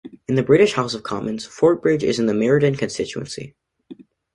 In the British House of Commons, Fordbridge is in the Meriden constituency.